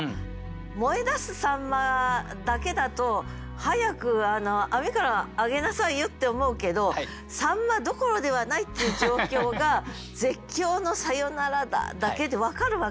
「燃え出すサンマ」だけだと「早く網から上げなさいよ」って思うけどサンマどころではないっていう状況が「絶叫のサヨナラ打」だけで分かるわけでしょ？